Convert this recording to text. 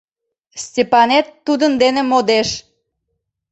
Степанет тудын дене модеш.